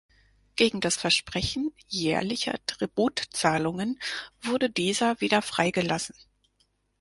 Gegen das Versprechen jährlicher Tributzahlungen wurde dieser wieder freigelassen.